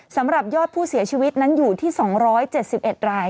สำหรับยอดผู้เสียชีวิตนั้นอยู่ที่๒๗๑ราย